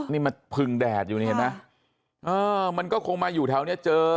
นี่มันพึงแดดอยู่นี่เห็นไหมเออมันก็คงมาอยู่แถวนี้เจอ